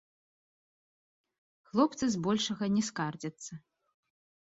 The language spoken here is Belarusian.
Хлопцы збольшага не скардзяцца.